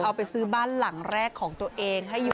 เอาไปซื้อบ้านหลังแรกของตัวเองให้อยู่